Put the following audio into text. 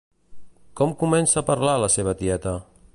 Com comença a parlar la seva tieta?